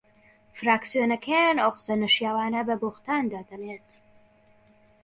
فراکسیۆنەکەیان ئەو قسە نەشیاوانە بە بوختان دادەنێت